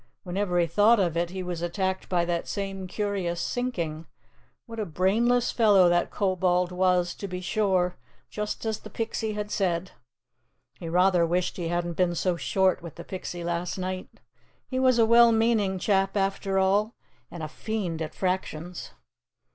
Whenever he thought of it, he was attacked by that same curious sinking. What a brainless fellow that Kobold was, to be sure, just as the Pixie had said! He rather wished he hadn't been so short with the Pixie last night. He was a well meaning chap, after all, and a fiend at fractions.